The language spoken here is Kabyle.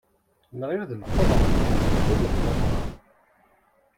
Nɣil d lxeḍra tewwim lxeḍra.